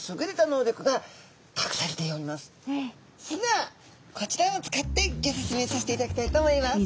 それではこちらを使ってギョ説明させていただきたいと思います。